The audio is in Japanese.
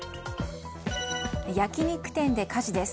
焼き肉店で火事です。